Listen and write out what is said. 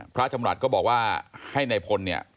พระจำรัฐก็บอกว่าให้นายพลเนี่ย